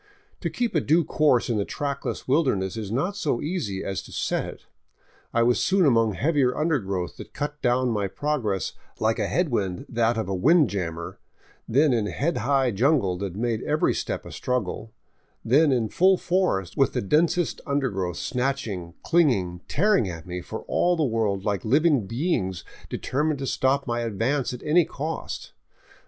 To keep a due course in the trackless wilderness is not so easy as to set it. I was soon among heavier undergrowth that cut down my progress like a head wind that of a " wind jammer," then in head high jungle that made every step a struggle, then in full forest with the densest undergrowth snatching, clinging, tearing at me for all the world like living beings determined to stop my advance at any cost.